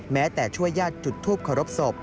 แม้แต่ช่วยญาติจุดทุบขอรบศพ